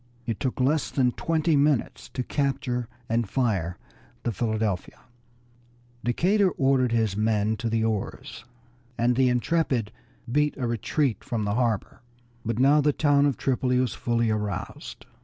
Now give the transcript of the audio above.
It took less than twenty minutes to capture and fire the Philadelphia. Decatur ordered his men to the oars, and the Intrepid beat a retreat from the harbor. But now the town of Tripoli was fully aroused.